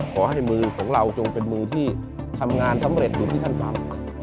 ขอให้มือของเราจงเป็นมือที่ทำงานสำเร็จอยู่ที่ท่านทำ